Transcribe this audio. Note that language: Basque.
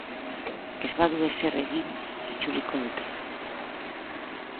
Ez badu ezer egin itzuliko dute....